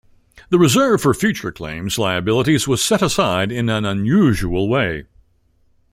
The reserve for future claims liabilities was set aside in an unusual way.